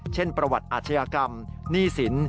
เช่นประวัติอาชญากรรมหนี้สิน